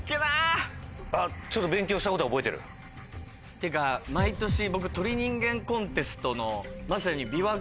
ていうか毎年僕。